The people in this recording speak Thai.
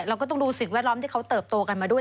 เราก็ต้องดูสิ่งแวดล้อมที่เขาเติบโตกันมาด้วย